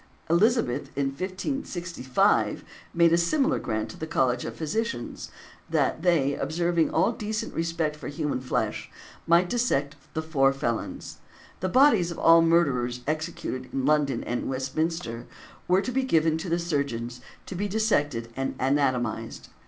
Elizabeth, in 1565, made a similar grant to the College of Physicians, that they, observing all decent respect for human flesh, "might dissect the four felons." By 25 Geo. II. cap. 37 (1752), the bodies of all murderers executed in London and Westminster were to be given to the surgeons to be dissected and anatomised.